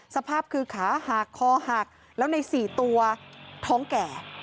สภาพคือขาหักคอหักแล้วใน๔ตัวท้องแก่